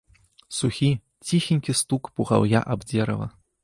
Сухі, ціхенькі стук пугаўя аб дзерава.